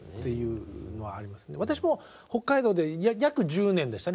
私も北海道で約１０年でしたね。